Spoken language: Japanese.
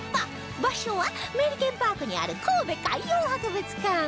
場所はメリケンパークにある神戸海洋博物館